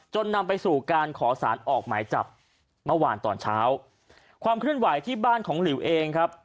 นำไปสู่การขอสารออกหมายจับเมื่อวานตอนเช้าความเคลื่อนไหวที่บ้านของหลิวเองครับ